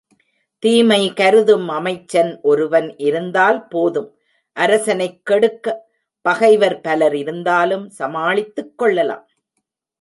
தீமை கருதும் அமைச்சன் ஒருவன் இருந்தால் போதும் அரசனைக் கெடுக்க பகைவர் பலர் இருந்தாலும் சமாளித்துக் கொள்ளலாம்.